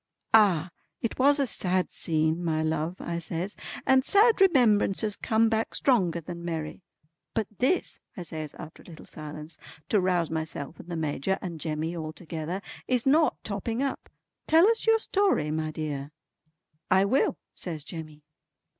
"Ah! it was a sad scene my love" I says, "and sad remembrances come back stronger than merry. But this" I says after a little silence, to rouse myself and the Major and Jemmy all together, "is not topping up. Tell us your story my dear." "I will" says Jemmy.